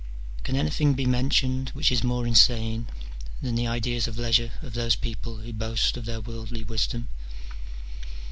Can anything be mentioned which is more insane than the ideas of leisure of those people who boast of their worldly wisdom